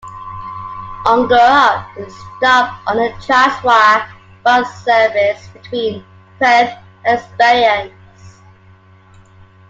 Ongerup is a stop on the Transwa bus service between Perth and Esperance.